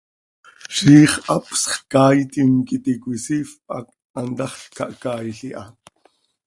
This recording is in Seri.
Ziix hapsx caaitim quih íti cöisiifp hac hantaxl cahcaail iha.